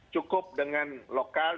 cukup dengan lokal